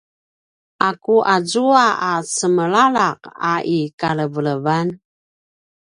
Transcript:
’aku azua a cemlala’ a i kalevelevan?